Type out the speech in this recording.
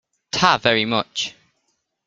Ta very much.